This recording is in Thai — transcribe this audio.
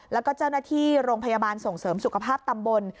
แล้วก็เจ้าหน้าที่โรงพยาบาลส่งเสริมสุขภาพตำบล